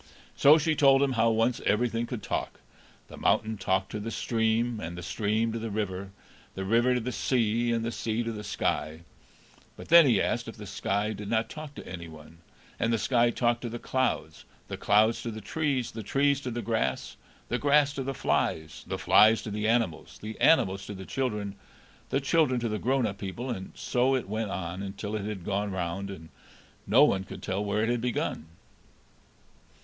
So she told him how once everything could talk: the mountain talked to the stream, and the stream to the river, the river to the sea, and the sea to the sky; but then he asked if the sky did not talk to any one; and the sky talked to the clouds, the clouds to the trees, the trees to the grass, the grass to the flies, the flies to the animals, the animals to the children, the children to the grown up people; and so it went on, until it had gone round, and no one could tell where it had begun.